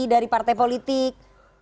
dari partai politik